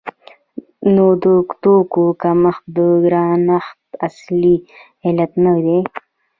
نو د توکو کمښت د ګرانښت اصلي علت نه دی.